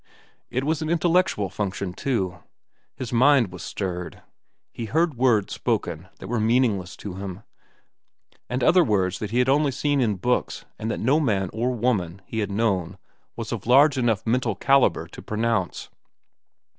It was an intellectual function, too. His mind was stirred. He heard words spoken that were meaningless to him, and other words that he had seen only in books and that no man or woman he had known was of large enough mental caliber to pronounce.